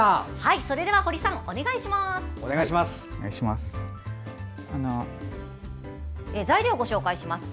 それでは堀さん、お願いします。